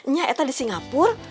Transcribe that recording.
nyi aku di singapur